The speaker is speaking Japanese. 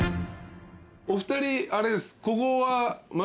お二人あれです。